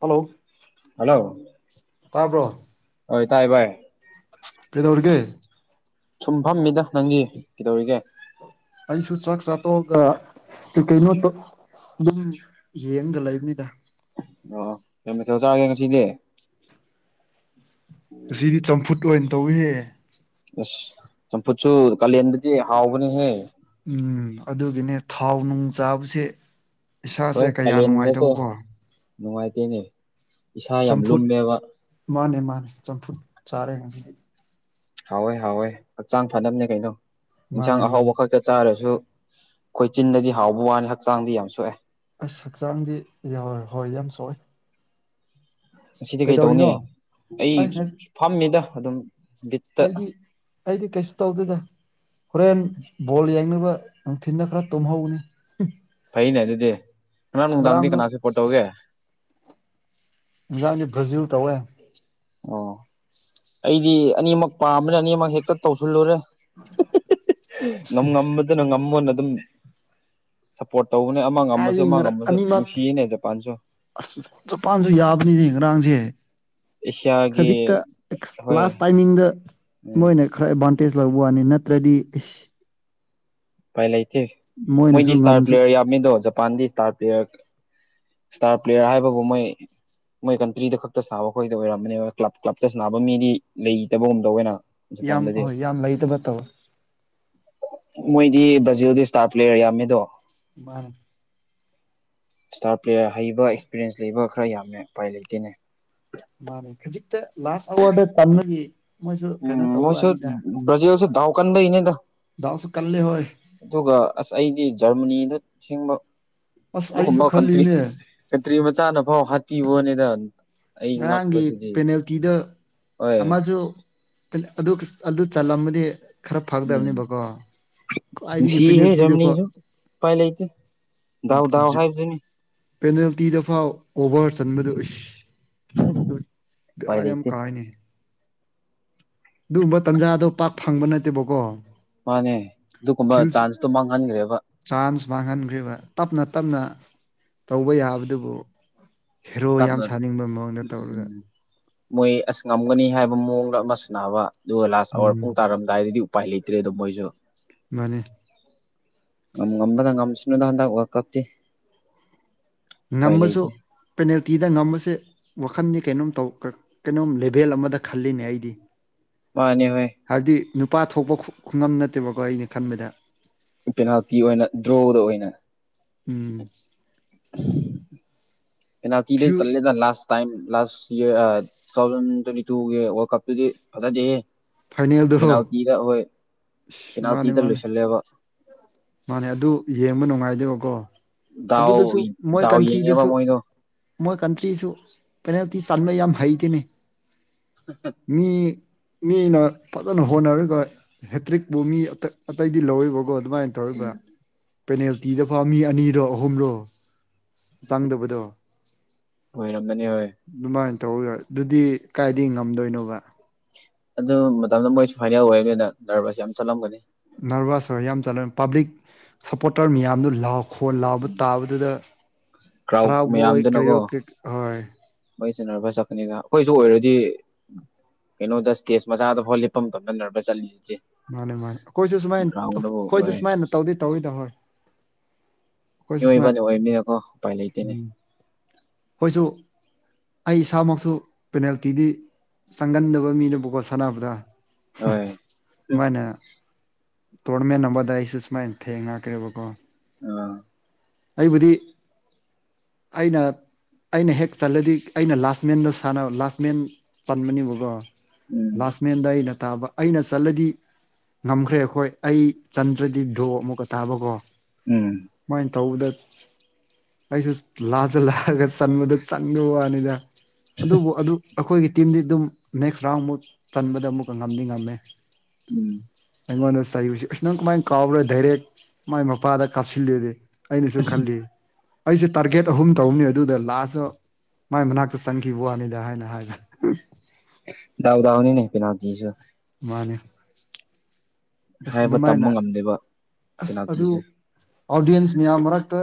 Hello hello ꯇꯥꯕ꯭ꯔꯣ ꯍꯣꯏ ꯇꯥꯏ ꯚꯥꯏ ꯀꯩꯗꯧꯔꯤꯒꯦ ꯁꯨꯝ ꯐꯝꯃꯤꯗ ꯅꯪꯗꯤ ꯀꯩꯗꯧꯔꯤꯒꯦ ꯑꯩꯁꯨ ꯆꯥꯛ ꯆꯥ ꯇꯣꯛꯑꯒ ꯀꯩ ꯀꯩꯅꯣ [unintelligible] ꯑꯗꯨꯝ ꯌꯦꯡꯉꯒ ꯂꯩꯕꯅꯤꯗ ꯑꯣ ꯀꯩ ꯃꯊꯦꯜ ꯆꯥꯔꯒꯦ ꯉꯁꯤꯗꯤ ꯉꯁꯤꯗꯤ ꯆꯝꯐꯨꯠ ꯑꯣꯏꯅ ꯇꯧꯋꯦꯍꯦ ꯑꯁ ꯆꯝꯐꯨꯠꯁꯨ ꯀꯥꯂꯦꯟꯗꯗꯤ ꯍꯥꯎꯕꯅꯦꯍꯦ ꯎꯝ ꯑꯗꯨꯒꯤꯅꯦ ꯊꯥꯎ ꯅꯨꯡ ꯆꯥꯕꯁꯦ ꯏꯁꯥꯁꯦ ꯍꯣꯏ ꯀꯌꯥ ꯀꯥꯂꯦꯟꯗꯀꯣ ꯅꯨꯡꯉꯥꯏꯇꯕꯀꯣ ꯅꯨꯡꯉꯥꯏꯇꯦꯅꯦ ꯏꯁꯥ ꯌꯥꯝ ꯆꯝꯐꯨꯠ ꯂꯨꯝꯃꯦꯕ ꯃꯥꯅꯦ ꯃꯥꯅꯦ ꯆꯝꯐꯨꯠ ꯆꯥꯔꯦ ꯉꯁꯤꯗꯤ ꯍꯥꯎꯋꯦ ꯍꯥꯎꯋꯦ ꯍꯛꯆꯥꯡ ꯐꯅꯕꯅꯦ ꯀꯩꯅꯣ ꯃꯥꯅꯦ ꯏꯟꯁꯥꯡ ꯃꯥꯅꯦ ꯑꯍꯥꯎꯕꯈꯣꯏ ꯇ ꯆꯥꯔꯁꯨ ꯈꯣꯏ ꯆꯤꯟꯅꯗꯤ ꯍꯥꯎꯕ ꯋꯥꯅꯤ ꯍꯛꯆꯥꯡꯗꯤ ꯌꯥꯝ ꯁꯣꯛꯑꯦ ꯑꯁ ꯍꯛꯆꯥꯡꯗꯤ ꯌꯥꯎ ꯍꯣꯏ ꯌꯥꯝ ꯁꯣꯛꯑꯦ ꯑꯁꯤꯗꯤ ꯀꯩꯗꯧꯅꯤ ꯀꯩꯗꯧꯔꯤꯅꯣ ꯑꯩ ꯐꯝꯃꯤꯗ ꯑꯗꯨꯝ ꯕꯤꯠ ꯑꯩꯗꯤ ꯑꯩꯗꯤ ꯀꯩꯁꯨ ꯇꯧꯗꯦꯗ ꯍꯣꯔꯦꯟ ꯕꯣꯜ ꯌꯦꯡꯅꯕ ꯅꯨꯡꯊꯤꯗ ꯈꯔ ꯇꯨꯝꯍꯧꯒꯦ ꯐꯩꯅꯦ ꯑꯗꯨꯗꯤ ꯉꯔꯥꯡ ꯑꯁ ꯅꯨꯡꯗꯥꯡꯗꯤ ꯉꯔꯥꯡꯁꯨ ꯀꯅꯥ ꯁꯄꯣꯔ꯭ꯠ ꯇꯧꯒꯦ ꯏꯟꯖꯥꯡꯗꯤ ꯕ꯭ꯔꯥꯖꯤꯜ ꯇꯧꯋꯦ ꯑꯣ ꯑꯩꯗꯤ ꯑꯅꯤꯃꯛ ꯄꯥꯝꯕꯅꯦ ꯑꯅꯤꯃꯛ ꯍꯦꯛꯇ ꯇꯧꯁꯤꯜꯂꯨꯔꯦ ꯉꯝ ꯉꯝꯕꯗꯨꯅ ꯉꯝꯃꯣꯅ ꯑꯗꯨꯝ ꯁꯞꯄꯣꯔꯠ ꯇꯧꯕꯅꯦ ꯑꯃ ꯉꯝꯃꯁꯨ ꯀꯥꯏꯗꯒꯤ ꯑꯃ ꯉꯔꯥꯡ ꯉꯝꯃꯁꯨ ꯑꯅꯤꯃꯛ ꯅꯨꯡꯁꯤꯌꯦꯅꯦ ꯖꯄꯥꯟꯁꯨ ꯑꯁ ꯖꯄꯥꯟꯁꯨ ꯌꯥꯕꯅꯤꯅꯦ ꯉꯔꯥꯡꯁꯦ ꯑꯦꯁꯤꯌꯥꯒꯤ ꯈꯖꯤꯛꯇ ꯍꯣꯏ ꯂꯥꯁ ꯇꯥꯏꯃꯤꯡꯗ ꯎꯝ ꯃꯣꯏꯅ ꯈꯔ ꯑꯦꯗꯕꯥꯥꯟꯇꯦꯖ ꯂꯧꯕ ꯋꯥꯅꯤ ꯅꯠꯇ꯭ꯔꯗꯤ ꯏꯁ ꯄꯥꯏꯂ ꯂꯩꯇꯦꯇꯦ ꯃꯣꯏꯅꯁꯨ ꯃꯣꯏꯗꯤ ꯁ꯭ꯇꯥꯔ ꯉꯝꯁꯨ ꯄ꯭ꯂꯦꯌꯔ ꯌꯥꯝꯃꯤꯗꯣ ꯖꯄꯥꯟꯗꯤ ꯁ꯭ꯇꯥꯔ ꯄ꯭ꯂꯦꯌꯔ ꯏꯁꯇꯥꯔ ꯄ꯭ꯂꯦꯌꯔ ꯍꯥꯏꯕꯕꯨ ꯃꯣꯏ ꯃꯣꯏ ꯀꯟꯇ꯭ꯔꯤꯗ ꯈꯛꯇ ꯁꯥꯕ ꯑꯩꯈꯣꯏꯗ ꯑꯣꯏꯔꯝꯕꯅꯤ ꯀ꯭ꯂꯕ ꯀ꯭ꯂꯞꯇ ꯁꯥꯅꯕ ꯃꯤꯗꯤ ꯂꯩꯇꯕꯒꯨꯝ ꯇꯧꯕꯅꯦ ꯌꯥꯝ ꯍꯣꯏ ꯌꯥꯝ ꯂꯩꯇꯕ ꯇꯧꯋꯦ ꯃꯣꯏꯗꯤ ꯕ꯭ꯔꯖꯤꯜꯗꯗꯤ ꯁ꯭ꯇꯥꯔ ꯄ꯭ꯂꯦꯌꯔ ꯌꯥꯝꯃꯤꯗꯣ ꯃꯥꯅꯤ ꯏꯁꯇꯥꯔ ꯄ꯭ꯂꯦꯌꯥꯔ ꯍꯩꯕ ꯑꯦꯛꯁꯄꯤꯔꯤꯌꯦꯟꯁ ꯂꯩꯕ ꯈꯔ ꯌꯥꯝꯃꯦ ꯎꯄꯥꯏ ꯂꯩꯇꯦꯅꯦ ꯃꯥꯅꯦ ꯈꯖꯤꯛꯇ ꯂꯥꯁ ꯑꯋꯥꯔꯗ ꯇꯝꯕꯒꯤ ꯎꯝ ꯃꯣꯏꯁꯨ ꯕ꯭ꯔꯥꯖꯤꯜꯁꯨ ꯗꯥꯎ ꯀꯟꯕꯩꯅꯤꯗ ꯗꯥꯎꯁꯨ ꯀꯜꯂꯦ ꯍꯣꯏ ꯑꯗꯨꯒ ꯑꯁ ꯑꯩꯗꯤ ꯖꯔꯃꯅꯤꯗ ꯊꯤꯡꯕ ꯑꯁ ꯑꯩꯁꯨ ꯑꯗꯨꯒꯨꯝꯕ ꯀꯟꯇ꯭ꯔꯤ꯫ ꯈꯜꯂꯤꯅꯦ ꯀꯟꯇ꯭ꯔꯤ ꯃꯆꯥꯅ ꯐꯥꯎ ꯍꯥꯠꯄꯕ ꯋꯥꯅꯦꯗ꯫ ꯉꯔꯥꯡꯒꯤ ꯄꯦꯅꯥꯜꯇꯤꯗꫭ ꯍꯣꯏ ꯑꯃꯁꯨ ꯑ ꯑꯗꯨ ꯀꯁ ꯑꯗꯨ ꯆꯜꯂꯝꯑꯗꯤ ꯈꯔ ꯎꯝ ꯐꯒꯗꯕꯅꯦꯕꯀꯣ꯫ ꯈ꯭ꯋꯥꯏꯗꯒꯤ ꯅꯨꯡꯁꯤꯍꯦ ꯄꯤꯅꯦꯜꯇꯤꯗꯀꯣ ꯖꯔꯃꯅꯤꯁꯨ ꯎꯄꯥꯏ ꯂꯩꯇꯦ ꯗꯥꯎ ꯗꯥꯎ [unintelligible] ꯍꯥꯏꯕꯗꯨꯅꯤ ꯄꯦꯅꯥꯜꯇꯤꯗ ꯐꯥꯎ ꯑꯣꯚꯔ ꯆꯟꯕꯗꯨ ꯎꯁ꯫ ꯎꯄꯥꯏ ꯕꯦꯔꯥ ꯌꯥꯝ ꯂꯩꯇꯦ ꯀꯥꯏꯅꯦ꯫ ꯗꯨꯒꯨꯝꯕ ꯇꯥꯟꯖꯥꯗꯣ ꯄꯥꯛ ꯐꯪꯕ ꯅꯠꯇꯦꯕꯀꯣ꯫ ꯃꯥꯅꯦ ꯑꯗꯨꯒꯨꯝꯕ ꯐꯤꯜꯁ ꯆꯥꯟꯁꯇꯣ ꯃꯥꯡꯍꯟꯈ꯭ꯔꯦꯕ꯫ ꯆꯥꯟꯁ ꯃꯥꯡꯍꯟꯈ꯭ꯔꯤꯕ ꯇꯞꯅ-ꯇꯞꯅ ꯇꯧꯕ ꯌꯥꯕꯗꯨꯕꯨ꯫ ꯍꯦꯔꯣ ꯇꯞꯅ ꯌꯥꯝ ꯁꯥꯅꯤꯡꯕ ꯃꯑꯣꯡꯗ ꯇꯧꯔꯒ꯫ ꯎꯝ ꯃꯣꯏ ꯑꯁ ꯉꯝꯒꯅꯤ ꯍꯥꯏꯕ ꯃꯑꯣꯡꯗ ꯑꯃꯨ ꯁꯅꯥꯕ ꯑꯗꯨꯒ ꯂꯥꯁ ꯑꯋꯥꯔ ꯎꯝ ꯄꯨꯡ ꯇꯥꯔꯝꯗꯥꯏꯗꯗꯤ ꯎꯄꯥꯏ ꯂꯩꯇ꯭ꯔꯦꯗꫭ ꯃꯣꯏꯁꯨ꯫ ꯃꯥꯅꯤ꯫ ꯉꯝ ꯉꯝꯕꯅ ꯉꯝꯁꯅꯨꯗ ꯍꯟꯗꯛ ꯋꯜꯀꯞꯇꯤ꯫ ꯉꯝꯕꯁꯨ ꯄꯦꯅꯥꯜꯇꯤꯗ ꯉꯝꯕꯁꯦ꯫ ꯋꯥꯈꯟꯗꯤ ꯀꯩꯅꯣꯝ ꯇꯧ ꯀ ꯀꯩꯅꯣꯝ ꯂꯦꯚꯦꯜ ꯑꯃꯗ ꯈꯜꯂꯤꯅꯦ ꯑꯩꯗꯤ꯫ ꯃꯥꯅꯦ ꯍꯣꯏ꯫ ꯍꯥꯏꯕꯗꯤ ꯅꯨꯄꯥ ꯊꯣꯛꯄ ꯈꯨ ꯈꯨꯉꯝ ꯅꯠꯇꯦꯕꯀꯣ ꯑꯩꯅ ꯈꯟꯕꯗ꯫ ꯄꯦꯅꯥꯜꯇꯤ ꯑꯣꯏꯅ ꯗ꯭ꯔꯣꯗ ꯑꯣꯏꯅ꯫ ꯎꯝ [unintelligible] ꯄꯦꯅꯥꯜꯇꯤꯗ ꯐꯤꯜ ꯇꯂꯦꯗ ꯂꯥꯁ ꯇꯥꯏꯝ ꯂꯥꯁ ꯌꯔ ꯑ ꯇꯨ ꯊꯥꯎꯖꯟ ꯇ꯭ꯋꯦꯟꯇꯤ ꯇꯨꯒꯤ ꯋꯥꯔꯜ ꯀꯞꯇꯨꯗꯤ ꯐꯖꯗꯦꯍꯦ꯫ ꯐꯥꯏꯅꯦꯜꯗꯣ ꯄꯦꯅꯥꯜꯇꯤꯗ ꯍꯣꯏ ꯏꯁ ꯃꯥꯅꯦ ꯄꯦꯅꯥꯜꯇꯤꯗ ꯃꯥꯅꯦ ꯂꯣꯏꯁꯜꯂꯦꯕ꯫ ꯃꯥꯅꯦ ꯑꯗꯨ ꯌꯦꯡꯕ ꯅꯨꯡꯉꯥꯏꯗꯦꯕꯀꯣ ꯗꯥꯎ ꯑꯗꯨꯗꯁꯨ ꯃꯣꯏ ꯗꯥꯎ ꯌꯦꯡꯉꯦꯕ ꯀꯟꯇ꯭ꯔꯤꯗꯁꯨ ꯃꯣꯏꯗꯣ ꯃꯣꯏ ꯀꯟꯇ꯭ꯔꯤꯁꯨ ꯄꯦꯅꯦꯜꯇꯤ ꯆꯟꯕ ꯌꯥꯝ ꯍꯩꯇꯦꯅꯦ꯫ [unintelligible] ꯃꯤ ꯃꯤꯅ ꯐꯖꯅ ꯍꯣꯠꯅꯔꯒ ꯍꯦꯇ꯭ꯔꯤꯛꯄꯨ ꯃꯤ ꯑ ꯑꯇꯩꯗꯤ ꯂꯧꯔꯤꯕꯀꯣ ꯑꯗꯨꯃꯥꯏꯟ ꯇꯧꯔꯤꯕ ꯎꯝ ꯄꯦꯅꯦꯜꯇꯤꯗ ꯐꯥꯎ ꯃꯤ ꯑꯅꯤꯔꯣ ꯑꯍꯨꯝꯔꯣ ꯆꯪꯗꯕꯗꯣ꯫ ꯑꯣꯏꯔꯝꯒꯅꯤ ꯍꯣꯏ꯫ ꯑꯗꯨꯃꯥꯏꯅ ꯇꯧꯔꯒ ꯑꯗꯨꯗꯤ ꯀꯥꯏꯗꯒꯤ ꯉꯝꯗꯣꯏꯅꯣꯕ꯫ ꯑꯗꯨ ꯃꯇꯝꯗ ꯃꯣꯏꯁꯨ ꯐꯥꯏꯅꯦꯜ ꯑꯣꯏꯕꯅꯤꯅ ꯅꯔꯕꯁ ꯌꯥꯝ ꯆꯠꯂꯝꯒꯅꯤ꯫ ꯅꯔꯚꯁ ꯍꯣꯏ ꯌꯥꯝ ꯆꯥꯂꯝ ꯄꯥꯕ꯭ꯂꯤꯛ ꯁꯞꯄꯣꯔꯇꯔ ꯃꯌꯥꯝꯗꯨ ꯂꯥꯎ ꯈꯣꯟ ꯂꯥꯎꯕ ꯎꯝ ꯇꯥꯕꯗꯨꯗ ꯀ꯭ꯔꯥꯎꯠ ꯍꯔꯥꯎꯕꯣꯏ ꯀ꯭ꯔꯤꯔꯣ ꯀꯩ ꯍꯣꯏ꯫ ꯃꯩꯁꯨ ꯅꯔꯚꯁ ꯆꯠꯄꯅꯤꯅ ꯑꯈꯣꯏꯖꯨ ꯑꯣꯏꯔꯗꯤ ꯀꯩꯅꯣꯗ ꯁ꯭ꯇꯦꯖ ꯃꯆꯥꯗꯐꯥꯎ ꯂꯦꯞꯄ ꯃꯇꯝꯗ ꯅꯔꯚꯁ ꯆꯠꯂꯤꯗꯨꯗꯤ꯫ ꯃꯥꯅꯦ ꯃꯥꯟ ꯑꯈꯣꯏꯖꯨ ꯁꯨꯃꯥꯏꯅ ꯑꯈ ꯑꯈꯣꯏꯖꯨ ꯍꯣꯏ ꯁꯨꯃꯥꯏꯅ ꯇꯧꯗꯤ ꯇꯧꯋꯤꯗ ꯍꯣꯏ꯫ ꯑꯩꯈꯣꯏꯁꯨ ꯁꯨꯃꯥꯏꯅ ꯃꯤꯑꯣꯏꯕꯅ ꯑꯣꯏꯕꯅꯤꯅꯀꯣ ꯎꯄꯥꯏ ꯂꯩꯇꯦꯅꯦ꯫ ꯍꯣꯏꯁꯨ ꯑꯩ ꯏꯁꯥꯃꯛꯁꯨ ꯄꯦꯅꯥꯜꯇꯤꯗꯤ ꯆꯪꯒꯟꯗꯕ ꯃꯤꯅꯕꯨꯀꯣ ꯁꯥꯟꯅꯕꯗ꯫ ꯍꯣꯏ [unintelligible] ꯃꯥꫭꯏꯅ ꯇꯣꯔꯅꯃꯦꯅ ꯑꯃꯗ ꯑꯩꯁꯨ ꯁꯨꯃꯥꯏꯟ ꯊꯦꯡꯅꯈ꯭ꯔꯦꯕꯀꯣ꯫ ꯑꯥ꯫ ꯑꯩꯕꯨꯗꯤ ꯑꯩꯅ ꯑꯩꯅ ꯍꯦꯛ ꯆꯜꯂꯗꯤ ꯑꯩꯅ ꯂꯥꯁ ꯃꯦꯟꯗ ꯁꯥꯟꯅꯕ ꯂꯥꯁ ꯃꯦꯟ ꯆꯟꯕꯅꯦꯕꯀꯣ꯫ ꯎꯝ ꯂꯥꯁꯃꯦꯟꯗ ꯑꯩꯅ ꯇꯥꯕ ꯑꯩꯅ ꯆꯠꯂꯗꯤ ꯉꯝꯈ꯭ꯔꯦ ꯑꯈꯣꯏ ꯑꯩ ꯆꯟꯗ꯭ꯔꯗꯤ ꯗ꯭ꯔꯣ ꯑꯃꯨꯛꯀ ꯇꯥꯕꯥꯀꯣ ꯎꯝ ꯇꯧꯕꯗ ꯑꯩꯖꯨ ꯂꯥꯖꯂꯥꯛꯑꯒ ꯆꯟꯕꯗ ꯆꯪꯗꯕ ꯋꯥꯅꯤꯗ ꯑꯗꯨꯕꯨ ꯑꯗꯨ ꯑꯈꯣꯏꯒꯤ ꯇꯤꯝꯗꯤ ꯑꯗꯨꯝ ꯅꯦꯛꯁ ꯔꯥꯎꯟꯃꯨꯛ ꯆꯟꯕꯗ ꯑꯃꯨꯛꯀ ꯉꯝꯗꯤ ꯉꯝꯃꯦ꯫ ꯎꯝ ꯑꯩꯉꯣꯟꯗ ꯆꯩꯕꯁꯤ ꯑꯁ ꯅꯪ ꯀꯃꯥꯏꯅ ꯀꯥꯎꯕ꯭ꯔꯦ ꯗꯥꯏꯔꯦꯛ ꯃꯥꯏ ꯃꯄꯥꯗ ꯀꯥꯞꯁꯤꯜꯂꯤꯗꯤ ꯑꯩꯅꯁꯨ ꯈꯜꯂꯤ ꯑꯩꯁꯨ ꯇꯥꯔꯒꯦꯠ ꯑꯍꯨꯝ ꯇꯧꯕꯅꯤ ꯑꯗꯨꯗ ꯂꯥꯁꯇ ꯃꯥꯏ ꯃꯅꯥꯛꯇ ꯆꯪꯈꯤꯕ ꯋꯥꯅꯤꯗ ꯍꯥꯏꯅ ꯍꯥꯏꯅ ꯗꯥꯎꯗꯥꯎꯅꯤꯅꯦ ꯄꯤꯅꯥꯜꯖꯨ ꯃꯥꯅꯦ ꯑꯁ ꯍꯥꯏꯕ ꯇꯝꯕ ꯑꯗꯨꯃꯥꯏꯅ ꯉꯝꯗꯦꯕ ꯑꯁ ꯑꯗꯨ ꯄꯦꯅꯥꯜꯇꯤꯁꯦ ꯑꯣꯗꯤꯟꯁ ꯃꯌꯥꯝ ꯃꯔꯛꯇ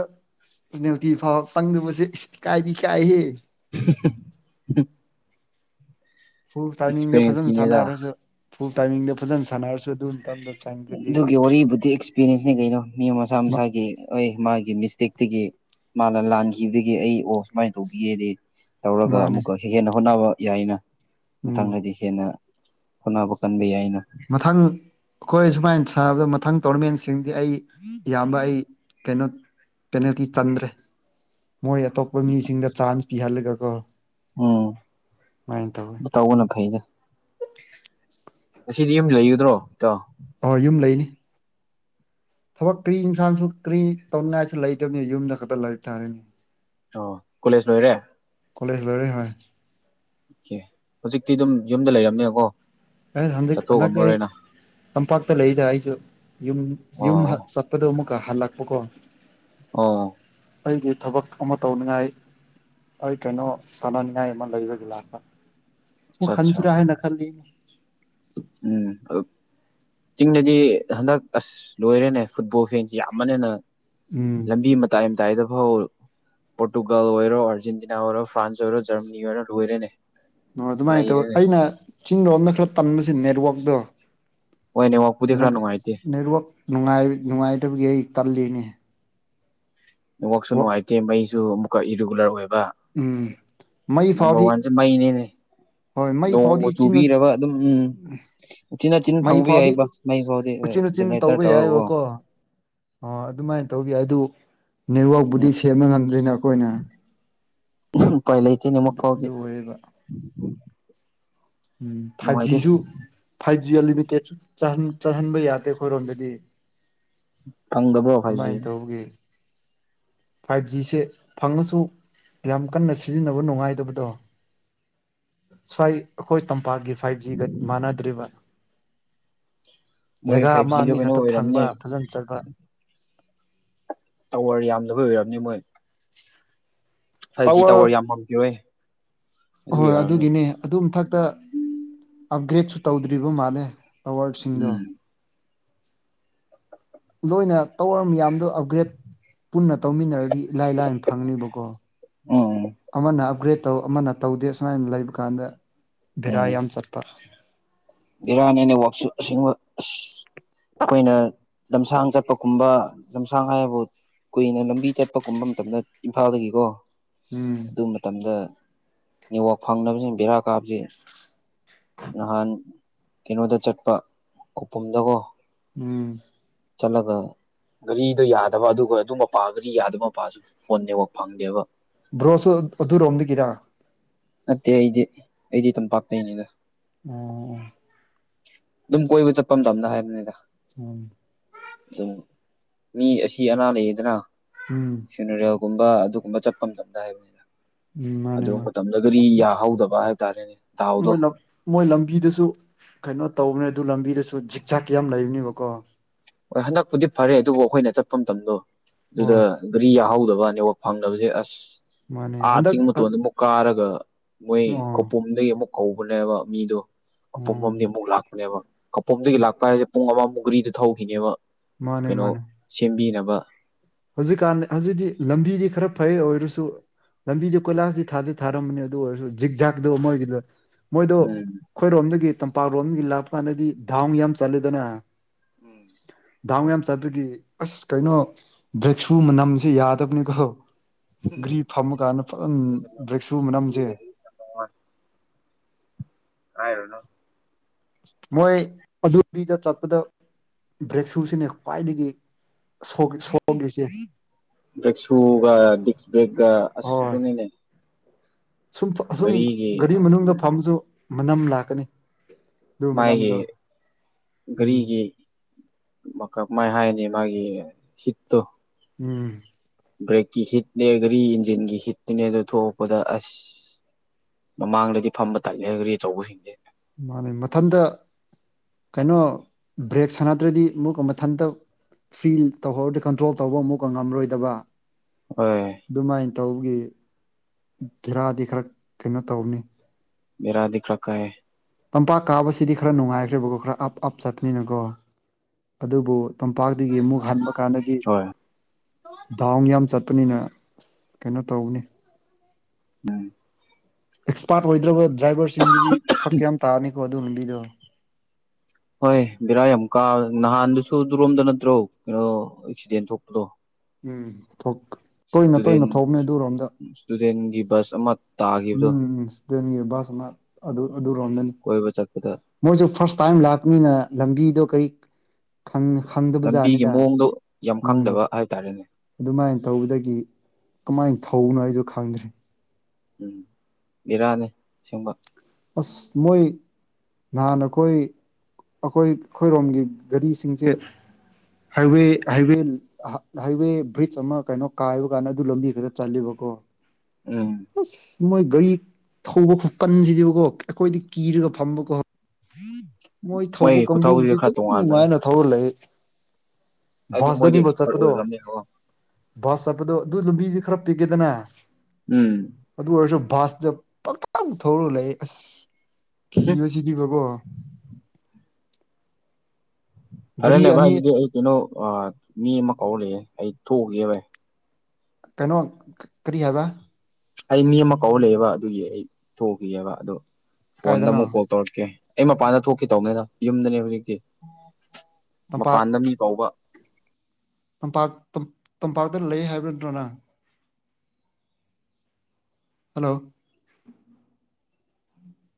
ꯄꯤꯅꯜꯇꯤ ꯐꯥꯎ ꯆꯪꯗꯕꯁꯤ ꯏꯁ ꯏꯀꯥꯏꯗꯤ ꯏꯀꯥꯏꯍꯦ [unintelligible] ꯐꯨꯜ ꯇꯥꯏꯃꯤꯡꯗ ꯐꯖꯅ ꯑꯦꯛꯁꯄꯤꯔꯦꯟꯁꯀꯤꯅꯦꯗ ꯁꯥꯟꯅꯔꯁꯨ ꯐꯨꯜ ꯇꯥꯏꯃꯤꯡꯗ ꯐꯖꯅ ꯁꯥꯟꯅꯔꯁꯨ ꯑꯗꯨꯇꯝꯗ ꯑꯗꯨꯒꯤ ꯋꯥꯔꯤꯕꯨꯗꯤ ꯑꯦꯛꯁꯄꯤꯔꯤꯌꯦꯟꯁꯅꯤ ꯀꯩꯅꯣ ꯃꯤ ꯃꯁꯥ ꯃꯁꯥꯒꯤ ꯑꯩ ꯃꯥꯒꯤ ꯃꯤꯁꯇꯦꯛꯇꯒꯤ ꯃꯥꯅ ꯂꯥꯟꯈꯤꯕꯗꯒꯤ ꯑꯩ ꯑꯣ ꯁꯨꯃꯥꯏꯅ ꯇꯧꯕꯤꯌꯦꯗꯤ ꯇꯧꯔꯒ ꯃꯥꯅꯦ ꯑꯃꯨꯛꯀ ꯍꯦꯟꯅ ꯍꯣꯠꯅꯕ ꯌꯥꯏꯅ ꯎꯝ ꯃꯊꯪꯗꯗꯤ ꯍꯦꯟꯅ ꯍꯣꯠꯅꯕ ꯀꯟꯕ ꯌꯥꯏꯅ ꯃꯊꯪ ꯑꯈꯣꯏ ꯁꯨꯃꯥꯏꯅ ꯁꯥꯟꯅꯕꯗ ꯃꯊꯪ ꯇꯣꯔꯅꯃꯦꯟꯁꯤꯡꯗꯤ ꯑꯩ ꯏꯌꯥꯝꯕ ꯑꯩ ꯀꯩꯅꯣ ꯄꯦꯅꯥꯜꯇꯤ ꯆꯟꯗ꯭ꯔꯦ ꯃꯣꯏ ꯑꯇꯣꯞꯄ ꯃꯤꯁꯤꯡꯗ ꯆꯥꯟꯁ ꯄꯤꯍꯜꯂꯒꯀꯣ ꯎꯝ ꯃꯥꯏꯅ ꯇꯧꯋꯤ ꯑꯗꯨ ꯇꯧꯕꯅ ꯐꯩꯗꯥ ꯉꯁꯤꯗꯤ ꯌꯨꯝ ꯂꯩꯒꯗ꯭ꯔꯣ ꯏꯇꯥꯎ ꯑꯣ ꯌꯨꯝ ꯂꯩꯅꯤ ꯊꯕꯛ ꯀ꯭ꯔꯤ ꯏꯟꯁꯥꯡꯁꯨ ꯀ꯭ꯔꯤ ꯇꯧꯅꯤꯡꯉꯥꯏꯁꯨ ꯂꯩꯇꯕꯅꯤ ꯌꯨꯝꯗ ꯈꯛꯇ ꯂꯥꯏꯕ ꯇꯥꯔꯦꯅꯤ ꯑꯣ ꯀꯣꯂꯦꯖ ꯂꯣꯏꯔꯦ ꯀꯣꯂꯦꯖ ꯂꯣꯏꯔꯦ ꯍꯣꯏ꯫ ꯀꯦ ꯍꯧꯖꯤꯛꯇꯤ ꯑꯗꯨꯝ ꯌꯨꯝꯗ ꯂꯩꯔꯝꯅꯤꯅꯀꯣ꯫ ꯑꯦ ꯍꯟꯗꯛ ꯍꯟꯗꯛꯇꯤ ꯑꯩ ꯇꯝꯄꯥꯛꯇ ꯂꯩꯗ ꯑꯩꯁꯨ ꯌꯨꯝ ꯌꯨꯝ ꯑꯣ ꯍꯟ ꯆꯠ ꯄꯗꯣ ꯑꯃꯨꯛꯀ ꯍꯜꯂꯛꯄꯀꯣ꯫ ꯑꯣ ꯑꯩꯒꯤ ꯊꯕꯛ ꯑꯃ ꯇꯧꯅꯤꯡꯉꯥꯏ ꯑꯩ ꯀꯩꯅꯣ ꯁꯥꯟꯅꯅꯤꯡꯉꯥꯏ ꯑꯃ ꯂꯩꯕꯒꯤ ꯂꯥꯛꯄ ꯃꯨꯛ ꯑꯠꯆꯥ ꯑꯠꯆꯥ ꯍꯟꯁꯤꯔꯥ ꯍꯥꯏꯅ ꯈꯜꯂꯤ꯫ ꯎꯝ ꯆꯤꯡꯗꯗꯤ ꯍꯟꯗꯛ ꯑꯁ ꯂꯣꯏꯔꯦꯅꯦ ꯐꯨꯠꯕꯣꯜ ꯐꯦꯟꯁꯤꯦ ꯌꯥꯝꯕꯅꯦꯅ ꯎꯝ ꯂꯝꯕꯤ ꯃꯇꯥꯏ ꯃꯇꯥꯏꯗ ꯐꯥꯎ ꯄꯣꯣꯔꯇꯨꯒꯜ ꯑꯣꯏꯔ ꯑꯔꯖꯦꯟꯇꯤꯅꯥ ꯑꯣꯏꯔꯣ ꯐ꯭ꯔꯥꯟꯁ ꯑꯣꯏꯔ ꯖꯃꯅꯤ ꯑꯣꯏꯔꯨ ꯂꯧꯔꯦꯟ ꯑꯣ ꯑꯗꯨꯃꯥꯏꯅ ꯇꯧꯋ ꯑꯩꯅ ꯆꯤꯡ ꯂꯣꯝꯗ ꯈꯔ ꯇꯟꯕꯁꯦ ꯅꯦꯠꯋꯥꯛꯛꯇꯣ ꯍꯣꯏ ꯅꯦꯠꯋꯥꯛꯄꯨꯗꯤ ꯈꯔ ꯅꯦꯠ ꯅꯨꯡꯉꯥꯏꯇꯦ ꯅꯦꯠꯋꯥꯛ ꯅꯨꯪꯉꯥꯏ ꯅꯨꯡꯉꯥꯏꯇꯕꯒꯤ ꯑꯩ ꯇꯜꯂꯤꯅꯦ ꯋꯥꯛꯁꯨ ꯋꯥꯛ ꯅꯨꯡꯉꯥꯏꯇꯦ ꯃꯩꯁꯨ ꯑꯃꯨꯛꯀ ꯏꯔꯤꯒꯨꯂꯔ ꯑꯣꯏꯕ ꯎꯝ ꯃꯩ ꯅꯝꯕꯔ ꯐꯥꯎꯗꯤ ꯋꯥꯟꯁꯦ ꯃꯩꯅꯦꯅꯦ ꯍꯣꯏ ꯃꯩ ꯐꯥꯎꯗꯤ ꯅꯣꯡꯕꯨ ꯎꯆꯤꯟ ꯆꯨꯕꯤꯔꯕ ꯑꯗꯨꯝ ꯎꯝ ꯏꯆꯤꯟ ꯏꯆꯤꯟ ꯃꯩ ꯐꯪꯕ ꯐꯥꯎꯗꯤ ꯌꯥꯏꯕ ꯃꯩ ꯐꯥꯎꯗꯤ ꯍꯣꯏ ꯎꯆꯤꯟ ꯎꯆꯤꯟ ꯖꯦꯅꯦꯔꯦꯇꯔ ꯇꯧꯕ ꯇꯧꯔꯒꯀꯣ ꯌꯥꯏꯑꯕꯀꯣ ꯑꯣ ꯑꯗꯨꯃꯥꯏꯅ ꯇꯧꯕꯤ ꯑꯗꯨ ꯎꯝ ꯅꯦꯠꯋꯥꯛꯄꯕꯨꯗꯤ ꯁꯦꯝꯕ ꯉꯝꯗ꯭ꯔꯤꯅ ꯑꯩꯈꯣꯏꯅ ꯎꯄꯥꯏ ꯂꯩ ꯑꯗꯨ ꯑꯣꯏꯌꯦꯕ ꯎꯝ ꯐꯥꯏꯚ ꯅꯨꯡꯉꯥꯏꯇꯦ ꯖꯤꯁꯨ ꯐꯥꯏꯚ ꯖꯤ ꯑꯜ ꯂꯤꯃꯤꯇꯦꯠꯁꯨ ꯆꯍꯟꯕ ꯆꯍꯟꯕ ꯌꯥꯗꯦ ꯑꯩꯈꯣꯏꯔꯣꯝꯗꯗꯤ ꯐꯪꯗꯕ꯭ꯔꯣ ꯐꯥꯏꯚ ꯖꯤ [unintelligible] ꯐꯥꯏꯚ ꯖꯤꯁꯦ ꯐꯪꯉꯁꯨ ꯌꯥꯝ ꯀꯟꯅ ꯁꯤꯖꯤꯟꯅꯕ ꯅꯨꯡꯉꯥꯏꯗꯕꯗꯣ ꯁ꯭ꯋꯥꯏ ꯑꯩꯈꯣꯏ ꯇꯝꯄꯥꯛꯀꯤ ꯐꯥꯏꯚ ꯖꯤꯒ ꯃꯥꯟꯅꯗ꯭ꯔꯤꯕ ꯃꯣꯏ ꯖꯒꯥ ꯐꯥꯏꯚ ꯑꯃ ꯖꯤꯗꯣ ꯀꯩꯅꯣ ꯑꯅꯤꯈꯛꯇ ꯑꯣꯏꯔꯝꯅꯤ ꯐꯪꯕ ꯐꯖꯅ ꯆꯠꯄ ꯇꯋꯔ ꯌꯥꯝꯗꯕ ꯑꯣꯏꯔꯝꯅꯤ ꯃꯣꯏ [inaudible] ꯐꯥꯏꯚ ꯖꯤ ꯇꯥꯋꯔ ꯌꯥꯝꯃꯝ ꯈꯤꯔꯣꯏ ꯍꯣꯏ ꯍꯣꯏ ꯑꯗꯨꯒꯤꯅꯦ ꯑꯗꯨ ꯃꯊꯛꯇ ꯑꯞꯒ꯭ꯔꯦꯗꯁꯨ ꯇꯧꯗ꯭ꯔꯤꯕ ꯃꯥꯜꯂꯦ ꯇꯋꯥꯔꯗꯁꯤꯡꯗꯣ ꯎꯝ ꯂꯣꯏꯅ ꯇꯧꯔ ꯃꯌꯥꯝꯗꯣ ꯑꯞꯒ꯭ꯔꯦꯗ ꯄꯨꯟꯅ ꯇꯧꯃꯤꯟꯅꯔꯗꯤ ꯏꯂꯥꯏ ꯂꯥꯏꯅ ꯐꯪꯅꯤꯕꯀꯣ ꯎꯝ ꯑꯃꯅ ꯑꯞꯒ꯭ꯔꯦꯗ ꯇꯧ ꯑꯃꯅ ꯇꯧꯗꯦ ꯁꯨꯃꯥꯏꯅ ꯂꯩꯕ ꯀꯥꯟꯗ ꯚꯦꯔꯥ ꯌꯥꯝ ꯆꯠꯄ ꯕꯤꯔꯥꯅꯤꯅ ꯋꯥꯛꯁꯨ ꯑꯁꯦꯡꯕ ꯑꯁ ꯑꯩꯈꯣꯏꯅ ꯂꯝꯁꯥꯡ ꯆꯠꯄꯒꯨꯝꯕ ꯂꯝꯁꯥꯡ ꯍꯥꯏꯕꯨ ꯀꯨꯏꯅ ꯂꯝꯕꯤ ꯆꯠꯄꯒꯨꯝꯕ ꯃꯇꯝꯗ ꯏꯝꯐꯥꯜꯗꯒꯤꯀꯣ ꯎꯝ ꯑꯗꯨ ꯃꯇꯝꯗ ꯅꯦꯋꯥꯛ ꯐꯪꯅꯕꯁꯤꯡꯅ ꯕꯦꯔꯥ ꯀꯥꯕꯁꯤ [inaudible] ꯅꯍꯥꯟ ꯀꯩꯅꯣꯗ ꯆꯠꯄ ꯈꯨꯄꯨꯝꯗꯀꯣ ꯎꯝ ꯆꯠꯂꯒ ꯒꯥꯔꯤꯗꯣ ꯌꯥꯗꯕ ꯑꯗꯨꯒ ꯑꯗꯨ ꯃꯄꯥꯟꯗꯗꯤ‌ꯌꯥꯗꯕ ꯃꯄꯥꯟꯁꯨ ꯐꯣꯟ ꯅꯦꯠꯋꯥꯛ ꯐꯪꯗꯦꯕ ꯕ꯭ꯔꯣꯁꯨ ꯑꯗꯨꯔꯣꯝꯗꯒꯤꯔꯥ ꯅꯠꯇꯦ ꯑꯩꯗꯤ ꯑꯩꯗꯤ ꯇꯝꯄꯥꯛꯇꯩꯅꯤꯗ ꯑꯣ ꯑꯣ ꯑꯗꯨꯝ ꯀꯣꯏꯕ ꯆꯠꯄ ꯃꯇꯝꯗ ꯍꯥꯏꯕꯅꯤꯗ ꯎꯝ ꯑꯗꯨꯝ ꯃꯤ ꯑꯁꯤ ꯑꯅꯥ ꯂꯩꯌꯦꯗꯅ ꯎꯝ ꯐꯅꯔꯤꯦꯜꯒꯨꯝꯕ ꯑꯗꯨꯒꯨꯝꯕ ꯆꯠꯄ ꯃꯇꯝꯗ ꯍꯥꯏꯕꯅꯤꯗ ꯃꯥꯅꯦ ꯑꯗꯨ ꯃꯥꯅꯦ ‌ꯃꯇꯝ ꯑꯗꯨꯗꯤ‌ꯌꯥ‌‌‌ ꯍꯧꯗꯕ ꯍꯥꯏꯇꯥꯔꯦꯅꯦ ꯃꯣꯏ ꯂꯧ ꯃꯣꯏ ꯂꯝꯕꯤꯗꯁꯨ ꯀꯩꯅꯣ ꯇꯧꯕꯅꯦ ꯑꯗꯨ ꯂꯝꯕꯤꯗꯁꯨ ꯖꯤꯛ ꯆꯥꯛ ꯌꯥꯝ ꯂꯩꯕꯅꯦꯕꯀꯣ ꯍꯣꯏ ꯍꯟꯗꯛꯄꯨꯗꯤ ꯐꯔꯦ ꯑꯗꯨꯕꯨ ꯑꯩꯈꯣꯏꯅ ꯆꯠꯄ ꯃꯇꯝꯗꯣ ꯑꯗꯨꯗ ꯍꯣꯏ ꯒꯥꯔꯤ ꯌꯥꯍꯧꯗꯕ ꯅꯦꯠꯋꯛ ꯐꯪꯗꯕꯁꯦ ꯑꯁ ꯃꯥꯅꯦ ꯑꯥ ꯍꯟꯗꯛ ꯆꯤꯡ ꯑꯣ ꯃꯇꯣꯟꯗ ꯑꯃꯨꯛ ꯀꯥꯔꯒ ꯃꯣꯏ ꯈꯧꯄꯨꯝ ꯑꯣ ꯑꯗꯒꯤ ꯑꯃꯨꯛ ꯀꯧꯕꯅꯦꯕ ꯃꯤꯗꯣ ꯈꯧꯄꯨꯝ‌ꯂꯣꯝꯗꯒꯤ ꯑꯃꯨꯛ ꯂꯥꯛꯄꯅꯦꯕ ꯈꯧꯄꯨꯝꯗꯒꯤ ꯂꯥꯛꯄ ꯍꯥꯏꯁꯦ ꯄꯨꯡ ꯑꯃꯃꯨꯛꯒꯔꯤꯗ ꯊꯧꯈꯤꯅꯦꯕ ꯃꯥꯅꯦ ꯀꯩꯅꯣ ꯃꯥꯅꯦ ꯁꯦꯝꯕꯤꯅꯕ ꯍꯧꯖꯤꯛꯀꯥꯟ ꯍꯧꯖꯤꯛꯇꯤ ꯂꯝꯕꯤꯗꯤ ꯈꯔ ꯐꯩ ꯑꯣꯏꯔꯁꯨ ꯂꯝꯕꯤꯗꯨ ꯀꯣꯏꯂꯥꯁꯗꯤ ꯊꯥꯗꯤ ꯊꯥꯔꯝꯕꯅꯤ ꯑꯗꯨ ꯑꯣꯏꯔꯁꯨ ꯖꯤꯛ ꯖꯥꯛꯇꯣ ꯃꫭꯏꯒꯤꯗꫭ ꯃꯣꯏꯗꯣ ꯎꯝ ꯑꯩꯈꯣꯏꯔꯣꯝꯗꯒꯤ ꯇꯝꯄꯥꯛꯂꯣꯝꯗꯒꯤ ꯂꯥꯛꯄ ꯀꯥꯟꯗꯗꯤ ꯗꯥꯥꯎ ꯌꯥꯝ ꯆꯠꯂꯦꯗꯅ ꯎꯝ ꯗꯥꯎꯟ ꯌꯥꯝ ꯆꯠꯄꯒꯤ ꯑꯁ ꯀꯩꯅꯣ ꯕ꯭ꯔꯦꯛ ꯁꯨ ꯃꯅꯝꯖꯤ ꯌꯥꯗꯕꯅꯤꯀꯣ ꯒꯥꯔꯤ ꯐꯝꯃꯀꯥꯟꯗ ꯐꯖꯅ ꯕ꯭ꯔꯦꯛꯁꯨ ꯃꯅꯝꯖꯦ [unintelligible] ꯍꯥꯏꯔꫭꯅꯣ ꯃꯣꯏ ꯑꯗꯨꯕꯤꯗ ꯆꯠꯄꯗ ꯕ꯭ꯔꯦꯛ ꯁꯨꯁꯤꯅꯦ ꯈ꯭ꯋꯥꯏꯗꯒꯤ ꯁꯒꯤ [unintelligible] ꯁꯣꯒꯁꯦ ꯕ꯭ꯔꯦꯛꯁꯨꯒ ꯗꯤꯁ꯭ꯕꯔꯦꯛꯒ ꯑꯁ ꯍꯣꯏ ꯑꯗꯨꯅꯤꯅ‌ꯦ ꯁꯨꯝ ꯐ ꯑꯁꯨꯝ ꯒꯥꯔꯤ ꯃꯅꯨꯡꯗ ꯎꯝ ꯐꯝꯃꯁꯨ ꯃꯅꯝ ꯂꯥꯛꯀꯅꯤ ꯑꯗꯨ ꯃꯥꯒꯤ ꯃꯅꯝꯗꯣ ꯎꯝ ꯒꯥꯔꯤꯒꯤ ꯃ ꯀꯃꯥꯏ ꯍꯥꯏꯅꯤ ꯃꯥꯒꯤ ꯍꯤꯠꯇꯣ ꯎꯝ ꯕ꯭ꯔꯦꯛꯀꯤ ꯍꯤꯠꯅꯦ ꯒꯥꯔꯤ ꯏꯟꯖꯤꯟꯒꯤ ꯍꯤꯠꯇꯨꯅꯦ ꯑꯗꯨ ꯊꯣꯛꯂꯛꯄꯗ ꯑꯁ ꯃꯃꯥꯡꯗꯗꯤ ꯐꯝꯕ ꯇꯥꯟꯂꯦ ꯒꯔꯤ ꯑꯆꯧꯕꯁꯤꯡꯁꯦ ꯃꯥꯅꯦ ꯃꯊꯟꯇ ꯀꯩꯅꯣ ꯕ꯭ꯔꯦꯛ ꯁꯥꯟꯅꯗ꯭ꯔꯗꯤ ꯑꯃꯨꯛꯀ ꯃꯊꯟꯇ ꯐꯤꯜ ꯇꯧꯍꯧꯔꯗꯤ ꯀꯟꯇ꯭ꯔꯣꯜ ꯇꯧꯕ ꯑꯃꯨꯛꯀ ꯉꯝꯃꯔꯣꯏꯗꯕ ꯍꫭꯏ ꯑꯗꯨꯃꯥꯏꯅ ꯇꯧꯕꯒꯤ ꯕ‌ꯦꯔꯥꯗꯤ ꯈꯔ ꯀꯩꯅꯣ ꯇꯧꯅꯤ ꯕ‌ꯦꯔꯥꯗꯤ ꯈꯔ ꯀꯥꯏꯌ‌ꯦ ꯇꯝꯄꯥꯛ ꯀꯥꯕꯁꯤꯗꯤ ꯈꯔ ꯅꯨꯡꯉꯥꯏꯈ꯭ꯔꯦꯕꯀꯣ ꯈꯔ ꯑꯞ ꯑꯞ ꯆꯠꯄꯅꯤꯅꯀꯣ ꯑꯗꯨꯕꯨ ꯇꯝꯄꯥꯛꯇꯒꯤ ꯑꯃꯨꯛ ꯍꯟꯕ ꯀꯥꯟꯗꯗꯤ ꯍꯣꯏ ꯗꯥꯎꯟ ꯌꯥꯝ ꯆꯠꯄꯅꯤꯅ ꯀꯩꯅꯣ ꯇꯧꯕꯅꯤ ꯎꯝ ꯑꯦꯛꯁꯄꯥꯔꯠ ꯑꯣꯏꯗ꯭ꯔꯕ ꯗ꯭ꯔꯥꯏꯚꯔꯁꯤꯡꯒꯤꯗꯤ ꯐꯔꯛ ꯌꯥꯝ ꯇꯥꯅꯤꯀꯣ ꯑꯗꯨ ꯅꯨꯕꯤꯗꯣ ꯍꯣꯏ ꯕꯦꯔꯥ ꯌꯥꯝ ꯀꯥ ꯅꯍꯥꯟꯗꯨꯁꯨ ꯑꯗꯨꯔꯣꯝꯗ ꯅꯠꯇ꯭ꯔꯣ ꯀꯩꯅꯣ ꯑꯦꯛꯁꯤꯗꯦꯟ ꯊꯣꯛꯄꯗꯣ ꯎꯝ ꯊꯣꯛ ꯇꯣꯏꯅ ꯇꯣꯏꯅ ꯊꯣꯛꯅꯦ ꯑꯗꯨꯔꯣꯝꯗ ꯇꯨꯗꯦꯟꯒꯤ ꯕꯁ ꯑꯃ ꯇꯥꯈꯤꯕꯗꯣ ꯎꯝ ꯏꯁꯨꯗꯦꯟꯒꯤ ꯕꯥꯁ ꯑꯃ ꯑꯗꯨ ꯑꯗꯨ ꯔꫭꯝꯗꯅꯤ ꯀꯣꯏꯕ ꯆꯥꯠꯄꯗ ꯃꯣꯏꯖꯨ ꯐꯥꯔꯁ ꯇꯥꯏꯝ ꯂꯥꯛꯄꯅꯤꯅ ꯂꯝꯕꯤꯗꯣ ꯀꯔꯤ ꯈꯪ ꯈꯪꯗꯕ ꯂꯝꯕꯤꯒꯤ ꯖꯥꯠꯅꯤꯗ ꯃꯑꯣꯡꯗꯣ ꯌꯥꯝ ꯈꯪꯗꯕ ꯍꯥꯏꯇꯥꯔꯦꯅꯦ ꯑꯗꯨꯃꯥꯏ ꯇꯧꯕꯗꯒꯤ ꯀꯃꯥꯏꯅ ꯊꯧꯕꯅꯣ ꯑꯩꯖꯨꯈꯪꯗ꯭ꯔꯦ ꯎꯝ ꯕꯤꯔꯥꯅꯤ ꯑꯁꯦꯡꯕ ꯑꯁ ꯃꯣꯏ ꯅꯍꯥꯟ ꯑꯩꯈꯣꯏ ꯑꯩꯈꯣꯏ ꯑꯩꯈꯣꯏꯔꯣꯝꯒꯤ ꯒꯥꯔꯤꯁꯤꯡꯁꯦ ꯍꯥꯏꯋꯦ ꯍꯥꯏꯋꯦ ꯍꯥꯏꯋꯦ ꯕ꯭ꯔꯤꯖ ꯑꯃ ꯀꯩꯅꯣ ꯀꯥꯏꯕ ꯀꯥꯟꯗ ꯑꯗꯨ ꯂꯝꯕꯤꯗꯨꯗ ꯆꯠꯂ‌ꯦꯕꯀꯣ ꯎꯝ ꯑꯁ ꯃꯣꯏ ꯒꯥꯔꯤ ꯊꯧꯕ ꯈꯨꯀꯟꯁꯤꯗꯤ ꯕꯣ ꯑꯩꯈꯣꯏꯗꯤ ꯀꯤꯔꯒ ꯐꯝꯕ ꯀꯣ ꯃꯣꯏ ꯊꯧꯕ ꯀꯥꯡꯕꯨꯕꯨꯗꯤ ꯈꯨꯊꯧꯁꯤꯗꯤ ꯑꯗꯨꯝ ꯈꯔ ꯇꯣꯉꯥꯟꯕꯅꯦ ꯅꯨꯡꯉꯥꯏꯅ ꯊꯧ ꯂꯩꯌꯦ ꯍꯥꯏꯗꯤ ꯃꯣꯏꯗꯤ ꯕꯁꯗꯅꯤꯕ ꯑꯦꯛꯁꯄꯔꯠ ꯆꯠꯄꯗꯣ ꯑꯣꯏꯈ꯭ꯔꯕꯅꯤꯅꯀꯣ ꯕꯁ ꯍꯥꯞꯄꯗꯣ ꯑꯗꯨ ꯂꯝꯕꯤꯖꯤ ꯈꯔ ꯄꯤꯛꯒꯦꯗꯅ ꯎꯝ ꯑꯗꯨ ꯑꯣꯏꯔꯁꯨ ꯚꯁꯇ ꯄꯪꯊꯧꯗ ꯊꯧꯔꯒ ꯂꯩ ꯑꯁ ꯀꯤꯕꯁꯤꯗꯤꯕꯀꯣ ꯒꯥꯔꯤ ꯐꯔꯦꯅꯦ ꯚꯥꯏ ꯑꯅꯤ ꯑꯗꯨꯗꯤ ꯑꯩ ꯀꯩꯅꯣ ꯑꯥ ꯃꯤ ꯑꯃ ꯀꯧꯔ ꯂꯩꯑꯦ ꯑꯩ ꯊꯣꯛꯎꯨꯒꯦ ꯚꯥꯏ ꯀꯩꯅꯣ ꯀꯔꯤ ꯍꯥꯏꯕ ꯑꯩ ꯃꯤ ꯑꯃ ꯀꯧꯔ ꯂꯩꯌꯦꯕ ꯑꯗꯨꯒꯤ ꯑꯩ ꯊꯣꯛꯎꯈꯤꯒꯦꯕ ꯑꯗꫭ ꯐꯣꯟꯗ ꯀꯥꯏꯗꯅꯣ ꯑꯃꯨꯛ ꯀꯣꯜ ꯇꯧꯔꯛꯀꯦ ꯑꯩ ꯃꯄꯥꯟꯗ ꯊꯣꯛꯀꯦ ꯇꯧꯕꯅꯤꯗ ꯌꯨꯝꯗꯅꯦ ꯍꯧꯖꯤꯛꯇꯤ ꯇꯝꯄꯥꯛ ꯃꯄꯥꯟꯗ ꯃꯤ ꯀꯥꯎꯕ ꯇꯝꯄꯥꯛ ꯇꯝꯄꯥꯛꯇ ꯂꯩ ꯍꯥꯏꯕ ꯅꯠꯇ꯭ꯔꯣ ꯅꯪ ꯍꯜꯂꯣ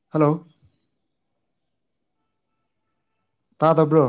ꯍꯜꯂꯣ ꯇꯥꯗꯕ꯭ꯔꯣ